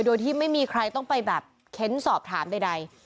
โดยที่ไม่มีใครต้องไปแบบเค้นสอบถามใด